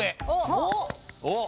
おっ！